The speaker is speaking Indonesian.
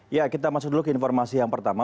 ya kita masuk dulu ke informasi yang pertama